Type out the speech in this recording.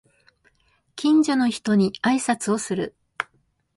近所の人に挨拶をする